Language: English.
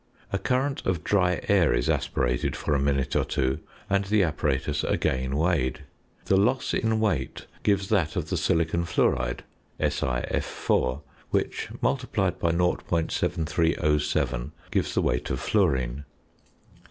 A current of dry air is aspirated for a minute or two; and the apparatus again weighed. The loss in weight gives that of the silicon fluoride (SiF_), which, multiplied by 0.7307, gives the weight of fluorine.